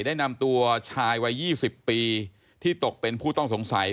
ได้นำตัวชายวัย๒๐ปีที่ตกเป็นผู้ต้องสงสัย